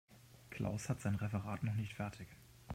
Klaus hat sein Referat noch nicht fertig.